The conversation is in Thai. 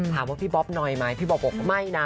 ถามว่าพี่บ๊อบหน่อยไหมพี่บ๊อบบอกว่าไม่นะ